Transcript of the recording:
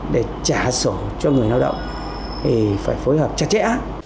để trả sổ cho người lao động thì phải phối hợp chặt chẽ